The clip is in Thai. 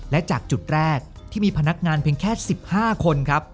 และจากจุดแรกที่มีพนักงานเพียงแค่๑๕คนครับ